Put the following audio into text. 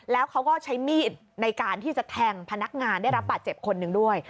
แล้วเขาก็ใช้มีดในการที่จะแทงพนักงานได้รับบาดเจ็บคนหนึ่งด้วย